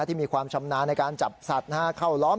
ที่มีความชำนาญในการจับสัตว์เข้าล้อม